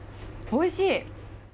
おいしい。